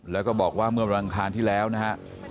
แล้วก็บอกว่าเมื่อวันอังคารที่แล้วนะฮะ